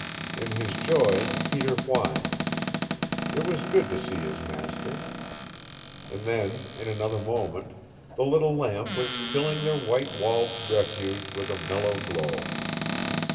In his joy Peter whined. It was good to see his master. And then, in another moment, the little lamp was filling their white walled refuge with a mellow glow.